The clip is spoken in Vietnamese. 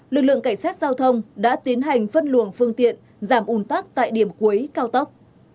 lực lượng cảnh sát giao thông đã tiến hành phân luồng phương tiện giảm ủn tắc tại điểm cuối cao tốc